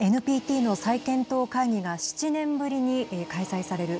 ＮＰＴの再検討会議が７年ぶりに開催される